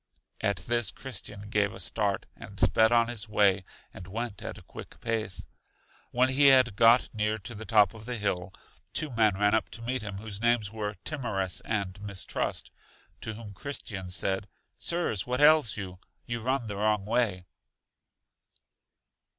At this Christian gave a start, and sped on his way, and went at a quick pace. When he had got near to the top of the hill, two men ran up to meet him, whose names were Timorous and Mistrust, to whom Christian said, Sirs, what ails you? You run the wrong way.